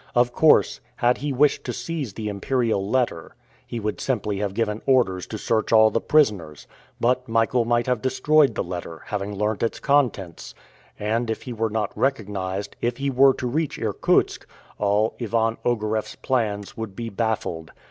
Of course, had he wished to seize the imperial letter, he would simply have given orders to search all the prisoners; but Michael might have destroyed the letter, having learnt its contents; and if he were not recognized, if he were to reach Irkutsk, all Ivan Ogareff's plans would be baffled.